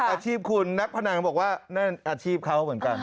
อาชีพคุณนักพนังบอกว่านั่นอาชีพเขาเหมือนกัน